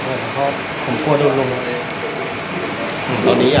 ไม่ได้ขอโทษขอโทษผมกลัวโดนลุนเนี้ยอืมตอนนี้อ่ะ